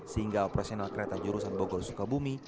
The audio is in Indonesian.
sehingga operasional kereta jurusan bogor sukabumi